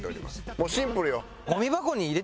もうシンプルよ。